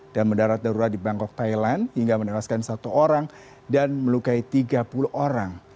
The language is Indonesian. dan mendarat darurat di bangkok thailand hingga menelaskan satu orang dan melukai tiga puluh orang